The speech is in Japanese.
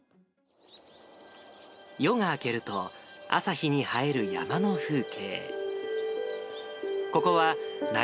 夜が明けると、朝日に映える山の風景。